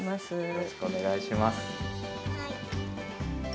よろしくお願いします。